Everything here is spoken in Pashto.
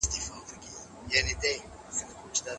که رعیت پوه وي نو ملک نه ورانیږي.